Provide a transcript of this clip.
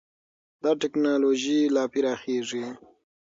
دا ټېکنالوژي لا پراخېږي.